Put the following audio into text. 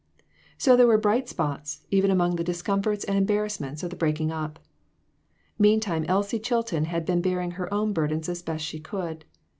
So there were bright spots, even among the dis comforts and embarrassments of the breaking up. Meantime, Elsie Chilton had been bearing her own burdens as best she could.